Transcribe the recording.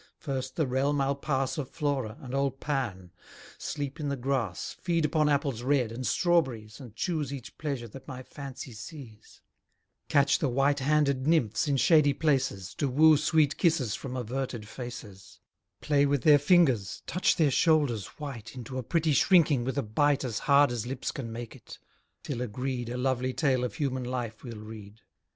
First the realm I'll pass Of Flora, and old Pan: sleep in the grass, Feed upon apples red, and strawberries, And choose each pleasure that my fancy sees; Catch the white handed nymphs in shady places, To woo sweet kisses from averted faces, Play with their fingers, touch their shoulders white Into a pretty shrinking with a bite As hard as lips can make it: till agreed, A lovely tale of human life we'll read.